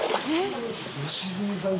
良純さん